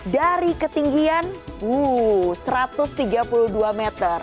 dari ketinggian wuh satu ratus tiga puluh dua meter